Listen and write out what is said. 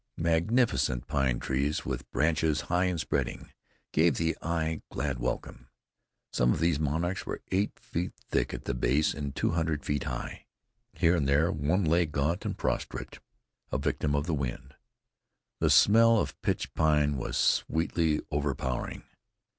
Magnificent pine trees, far apart, with branches high and spreading, gave the eye glad welcome. Some of these monarchs were eight feet thick at the base and two hundred feet high. Here and there one lay, gaunt and prostrate, a victim of the wind. The smell of pitch pine was sweetly overpowering.